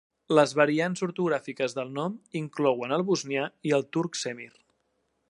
Les variants ortogràfiques del nom inclouen el bosnià i el turc Semir.